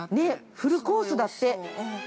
◆フルコースだって。